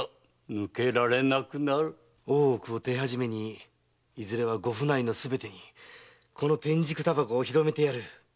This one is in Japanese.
大奥を手始めにいずれは御府内のすべてにこの天竺煙草を広めてやる。